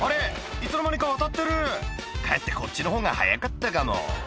いつの間にか渡ってる」「かえってこっちの方が早かったかも」